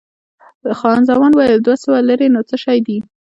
خان زمان وویل، دوه سوه لیرې نو څه شی دي؟